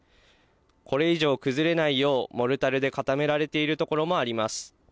これ以上崩れないよう、モルタルで固められている所もあります。